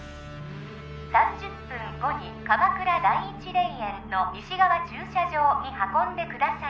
３０分後に鎌倉第一霊園の西側駐車場に運んでください